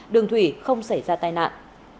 đường thủy không xảy ra tai nạn